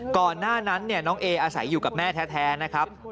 ก่อนหน้านั้นน้องเออาศัยอยู่กับแม่แท้นะครับ